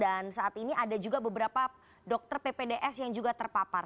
dan saat ini ada juga beberapa dokter ppds yang juga terpapar